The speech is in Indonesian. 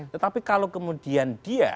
tetapi kalau kemudian dia